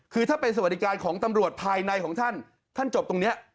คือถ้าเป็นสวัสดิการของตำรวจภายในของท่านท่านจบตรงนี้